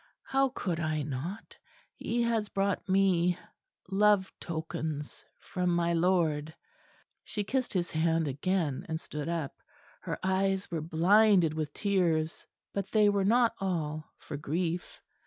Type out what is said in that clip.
How could I not? He has brought me love tokens from my Lord." She kissed his hand again, and stood up; her eyes were blinded with tears; but they were not all for grief.